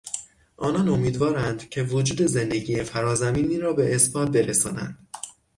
آنان امیدوارند که وجود زندگی فرا زمینی را به اثبات برسانند.